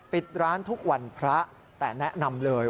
ปิดร้านทุกวันพระแต่แนะนำเลย